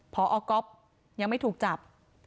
พอก๊อฟยังไม่ถูกจับ